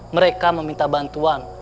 mereka meminta bantuan